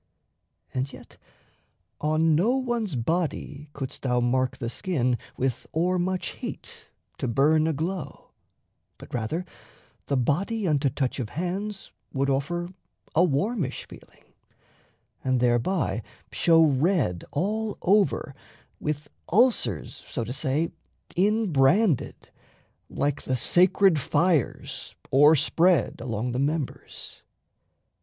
And yet on no one's body couldst thou mark The skin with o'er much heat to burn aglow, But rather the body unto touch of hands Would offer a warmish feeling, and thereby Show red all over, with ulcers, so to say, Inbranded, like the "sacred fires" o'erspread Along the members.